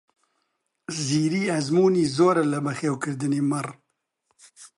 زیری ئەزموونی زۆرە لە بەخێوکردنی مەڕ.